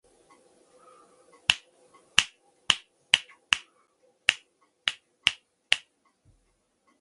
父亲杨美益官至太仆寺少卿。